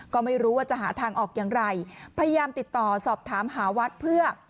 ก็ไม่รู้ว่าจะหาทางออกอย่างไรพยายามติดต่อสอบถามหาวัดเพื่อ